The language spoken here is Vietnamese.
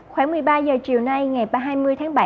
khoảng một mươi ba h chiều nay ngày hai mươi tháng bảy